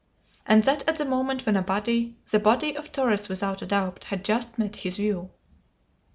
And that at the moment when a body the body of Torres without a doubt! had just met his view.